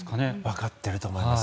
分かっていると思います。